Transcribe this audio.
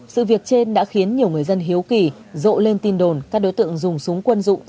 sự việc trên đã khiến nhiều người dân hiếu kỳ rộ lên tin đồn các đối tượng dùng súng quân dụng